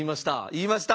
言いました。